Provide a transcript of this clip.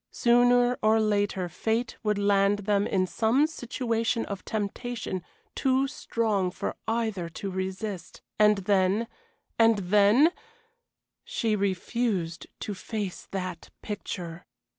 Sooner or later fate would land them in some situation of temptation too strong for either to resist and then and then She refused to face that picture.